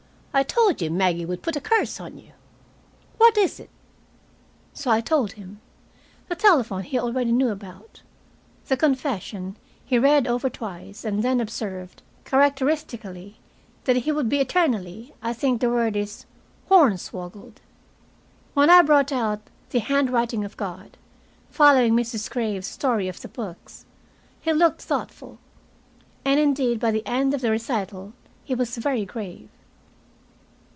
I told you Maggie would put a curse on you. What is it?" So I told him. The telephone he already knew about. The confession he read over twice, and then observed, characteristically, that he would be eternally I think the word is "hornswoggled." When I brought out "The Handwriting of God," following Mrs. Graves's story of the books, he looked thoughtful. And indeed by the end of the recital he was very grave.